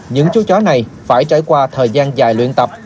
những chú chó này phải trải qua thời gian dài luyện tập